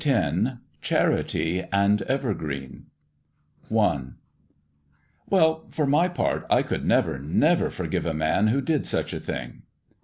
X CHARITY AND EVERGREEN I "Well, for my part, I could never, never forgive a man who did such a thing!"